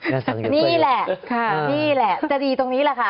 เมียสั่งหยุดก็หยุดนี่แหละค่ะนี่แหละจะดีตรงนี้แหละค่ะ